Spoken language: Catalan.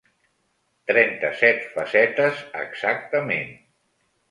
Trenta-set facetes, exactament.